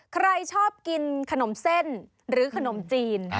ใครชอบกินขนมเส้นหรือขนมจีน